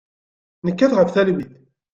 Nekkat ɣef talwit.